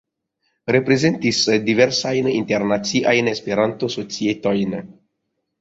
Reprezentis diversajn internaciajn Esperanto-societojn.